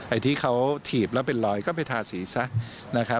ไอ้ที่เขาถีบแล้วเป็นรอยก็ไปทาสีซะนะครับ